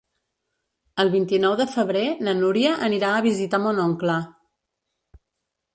El vint-i-nou de febrer na Núria anirà a visitar mon oncle.